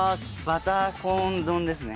バターコーン丼ですね。